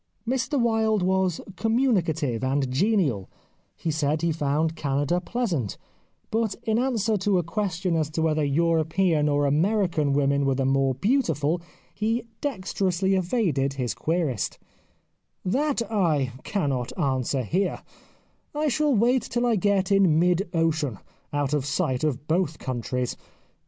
Mr Wilde was communicative and genial ; he said he found Canada pleasant, but in answer to a question as to whether European or American women were the more beautiful he dexterously evaded his 211 The Life of Oscar Wilde querist :" That I cannot answer here, I shall wait till I get in mid ocean, out of sight of both countries.